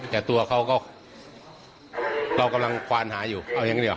แต่ตัวเขาก็เรากำลังควานหาอยู่เอาอย่างเดียว